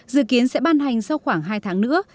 dự kiến sẽ ban hành sau khoảng hai tháng nữa